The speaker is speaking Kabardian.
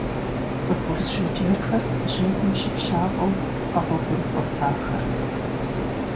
ЦӀыхубз жыджэрхэр жьэгум щыпщафӀэу къэгъуэгурыкӀуэрт ахэр.